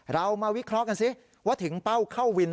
เรามาวิเคราะห์กันสิ